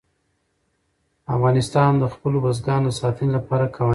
افغانستان د خپلو بزګانو د ساتنې لپاره قوانین لري.